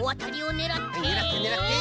ねらってねらって。